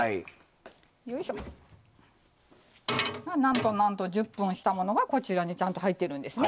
よいしょなんとなんと１０分したものがこちらにちゃんと入ってるんですね。